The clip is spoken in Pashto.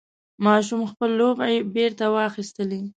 ماشوم خپل لوبعې بېرته واخیستلې.